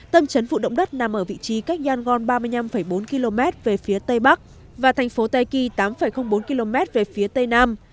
tâm trấn phụ động đất nằm ở vị trí cách yangon ba mươi năm bốn km về phía tây bắc và thành phố teki tám bốn km về phía tây nam